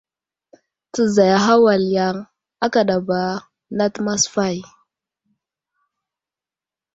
Təzayaha wal yaŋ akadaba nat masfay.